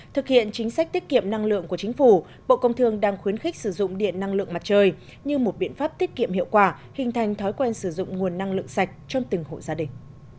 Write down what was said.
thực hiện chính sách tiết kiệm năng lượng của chính phủ bộ công thương đang khuyến khích sử dụng điện năng lượng mặt trời như một biện pháp tiết kiệm hiệu quả hình thành thói quen sử dụng nguồn năng lượng sạch trong từng hộ gia đình